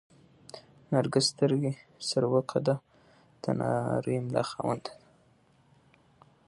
نرګس سترګې، سروه قده، د نرۍ ملا خاونده ده